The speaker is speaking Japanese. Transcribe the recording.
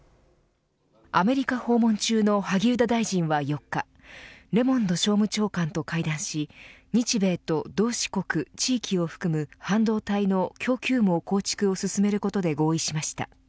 アメリカ訪問中の萩生田大臣は４日レモンド商務長官と会談し日米と同志国・地域を含む半導体の供給網構築を進めることで合意しました。